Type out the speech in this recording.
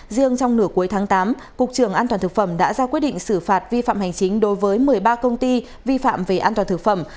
riêng trong nửa cuối tháng tám cục trường an toàn thực phẩm đã ra quyết định xử phạt vi phạm hành chính đối với một mươi ba công ty vi phạm về an toàn thực phẩm